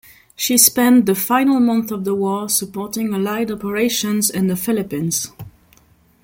She spent the final months of the war supporting Allied operations in the Philippines.